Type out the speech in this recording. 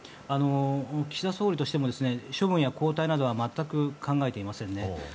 岸田総理としても処分や交代などは全く考えていませんね。